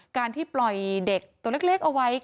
การที่ปล่อยเด็กตัวเล็กเอาไว้